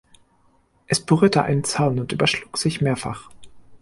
Es berührte einen Zaun und überschlug sich mehrfach.